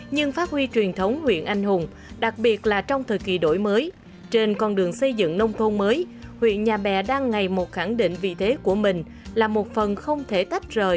nhưng phát huy truyền thống huyện anh hùng đặc biệt là trong thời kỳ đổi mới trên con đường xây dựng nông thôn mới huyện nhà bè đang ngày một khẳng định vị thế của mình là một phần không thể tách rời